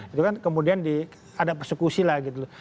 itu kan kemudian ada persekusi lah gitu loh